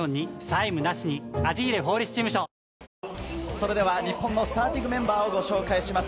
それでは日本のスターティングメンバーをご紹介します。